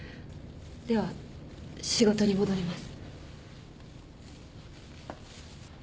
では仕事に戻ります。